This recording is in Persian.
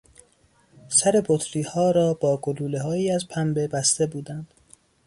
سر بطری ها را با گلوله هایی از پنبه بسته بودند.